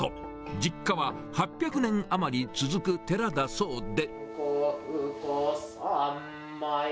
実家は８００年余り続く寺だそうで。